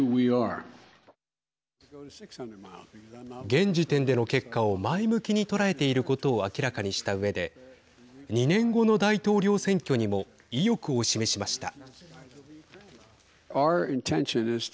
現時点での結果を前向きに捉えていることを明らかにしたうえで、２年後の大統領選挙にも意欲を示しました。